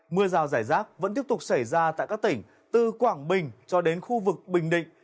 mưa rào rải rác vẫn tiếp tục xảy ra tại các tỉnh từ quảng bình cho đến khu vực bình định